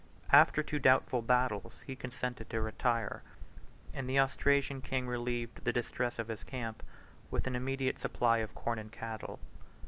After two doubtful battles, he consented to retire, and the Austrasian king relieved the distress of his camp with an immediate supply of corn and cattle.